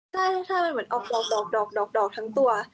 ใช่มันเหมือนออกดอกทั้งตัว